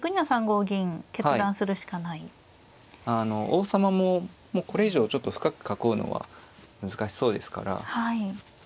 王様ももうこれ以上ちょっと深く囲うのは難しそうですから。